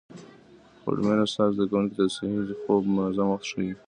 هوډمن استاد زده کوونکو ته د صحي خوب منظم وخت ښيي.